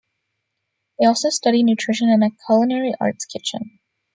They also study nutrition in a Culinary Arts kitchen.